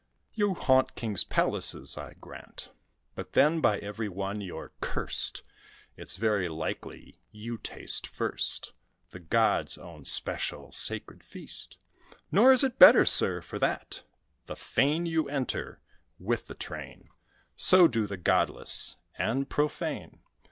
"You haunt king's palaces, I grant; But then, by every one you're cursed. It's very likely you taste first The gods' own special sacred feast: Nor is it better, sir, for that. The fane you enter, with the train So do the godless and profane.